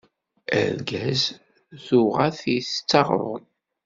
Argaz tuɣa-t ittet aɣrum.